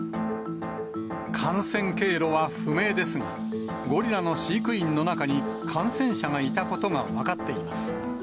感染経路は不明ですが、ゴリラの飼育員の中に、感染者がいたことが分かっています。